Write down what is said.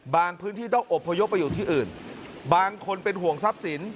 พื้นที่ต้องอบพยพไปอยู่ที่อื่นบางคนเป็นห่วงทรัพย์สิน